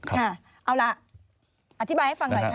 ค่ะเอาล่ะอธิบายให้ฟังหน่อยค่ะ